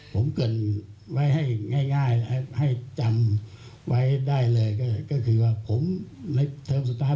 ผมเกิดไว้ให้ง่ายให้จำไว้ได้เลยก็คือว่าผมในเทอมสุดท้าย